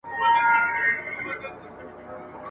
ته به شکرباسې ځکه چي ښایسته یم !.